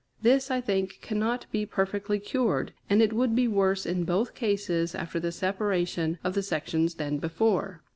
This, I think, cannot be perfectly cured, and it would be worse in both cases after the separation of the sections than before.